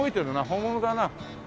本物だな。